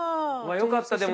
よかった。